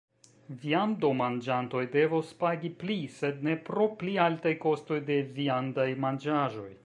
Viandomanĝantoj devos pagi pli, sed ne pro pli altaj kostoj de viandaj manĝaĵoj.